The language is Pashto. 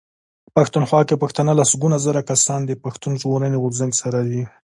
پښتونخوا کې پښتانه لسګونه زره کسان د پښتون ژغورني غورځنګ سره دي.